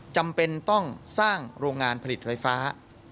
จำเป็นต้องสร้างโรงงานผลิตไฟฟ้า